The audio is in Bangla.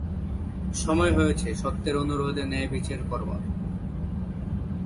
সময় হয়েছে সত্যের অনুরোধে ন্যায়বিচার করবার।